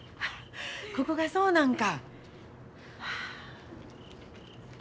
ここがそうなんか。